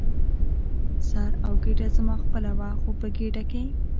سر او ګېډه زما خپله وه، خو په ګېډه کې.